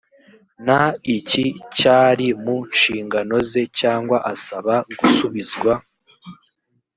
n iki cyari mu nshingano ze cyangwa asaba gusubizwa